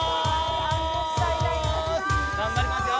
頑張りますよ。